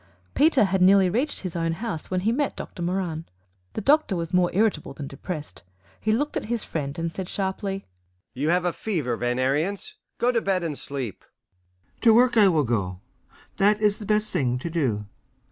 Peter had nearly reached his own house when he met Doctor Moran. The doctor was more irritable than depressed. He looked at his friend and said sharply, "You have a fever, Van Ariens. Go to bed and sleep." "To work I will go. That is the best thing to do.